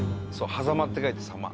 「狭間」って書いて「さま」。